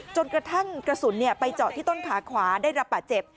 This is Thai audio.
จนกระทั่งกระสุนไปเจาะที่ต้นขาขวาได้รับบาดเจ็บ